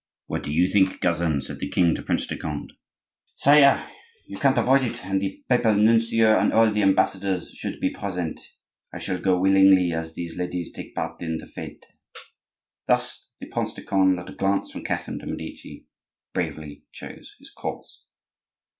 "What do you think, cousin?" said the king to Prince de Conde. "Sire, you cannot avoid it, and the papal nuncio and all the ambassadors should be present. I shall go willingly, as these ladies take part in the fete." Thus the Prince de Conde, at a glance from Catherine de' Medici, bravely chose his course.